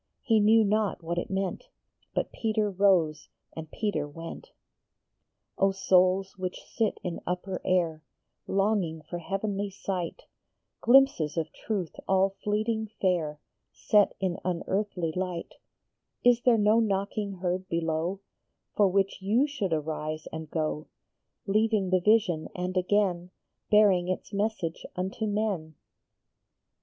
He knew not what it meant, But Peter rose and Peter went. Oh, souls which sit in upper air, Longing for heavenly sight, Glimpses of truth all fleeting fair, Set in unearthly light, Is there no knocking heard below, For which you should arise and go, 58 THE VISION AND THE SUMMONS. Leaving the vision, and again Bearing its message unto men?